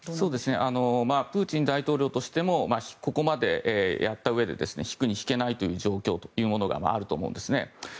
プーチン大統領としてもここまでやったうえで引くに引けないという状況というものがあると思うんです。